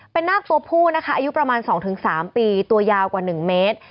เป็นนาคตัวผู้นะคะอายุประมาณ๒๓ปีตัวยาวกว่า๑เมตร